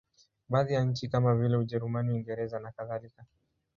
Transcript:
Baadhi ya nchi kama vile Ujerumani, Uingereza nakadhalika.